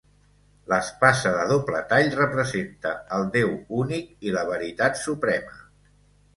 L'espasa de doble tall representa el Déu únic i la veritat suprema.